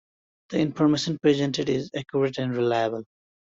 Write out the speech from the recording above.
The information presented is accurate and reliable.